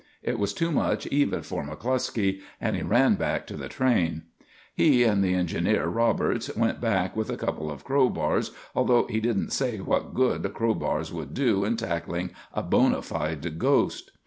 It was too much even for McCluskey and he ran back to the train. "He and the engineer, Roberts, went back with a couple of crowbars although he didn't say what good crowbars would do in tackling a bonafide ghost.